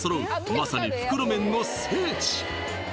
まさに袋麺の聖地